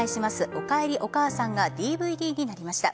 おかえりお母さん」がＤＶＤになりました。